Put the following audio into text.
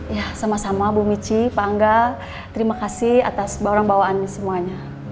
ya sama sama bu michi pak angga terima kasih atas barang bawaan semuanya